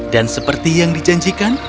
dan seperti yang dijanjikan